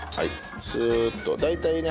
スーッと大体ね